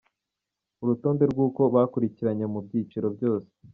Urutonde rw’uko bakurikiranye mu byiciro byose.